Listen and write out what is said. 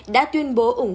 đã tuyên bố ủng hộ